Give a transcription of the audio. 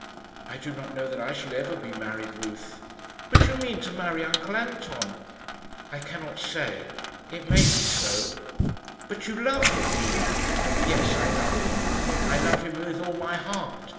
"I do not know that I shall ever be married, Ruth." "But you mean to marry uncle Anton?" "I cannot say. It may be so." "But you love him, Nina?" "Yes, I love him. I love him with all my heart.